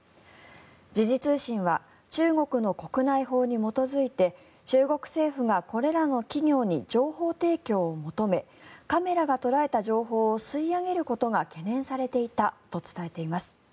時事通信は中国の国内法に基づいて中国政府がこれらの企業に情報提供を求めカメラが捉えた情報を吸い上げることが懸念されていたと伝えています。